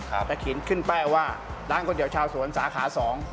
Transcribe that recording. จะขินขึ้นแป้วว่าด้านก๋วยเตี๋ยวชาวสวนสาขา๒